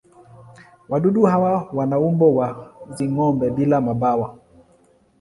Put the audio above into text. Wadudu hawa wana umbo wa nzi-gome bila mabawa.